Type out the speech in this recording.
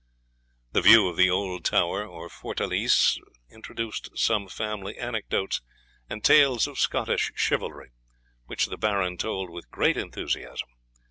The view of the old tower, or fortalice, introduced some family anecdotes and tales of Scottish chivalry, which the Baron told with great enthusiasm.